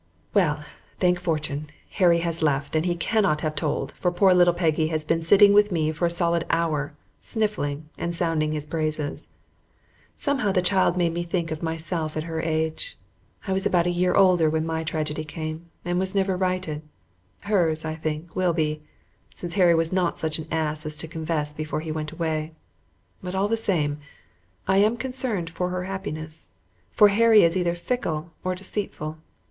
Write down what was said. Well, thank fortune, Harry has left, and he cannot have told, for poor little Peggy has been sitting with me for a solid hour, sniffing, and sounding his praises. Somehow the child made me think of myself at her age. I was about a year older when my tragedy came and was never righted. Hers, I think, will be, since Harry was not such an ass as to confess before he went away. But all the same, I am concerned for her happiness, for Harry is either fickle or deceitful.